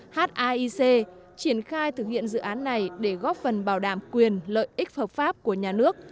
h a i c triển khai thực hiện dự án này để góp phần bảo đảm quyền lợi ích phập pháp của nhà nước